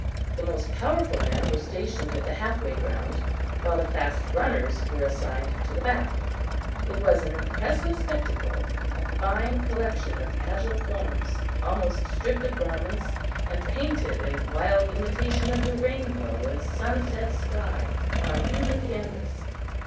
The most powerful men were stationed at the half way ground, while the fast runners were assigned to the back. It was an impressive spectacle a fine collection of agile forms, almost stripped of garments and painted in wild imitation of the rainbow and sunset sky on human canvas.